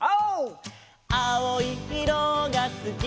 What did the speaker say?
「あおいいろがすき」